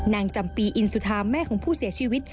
จำปีอินสุธาแม่ของผู้เสียชีวิต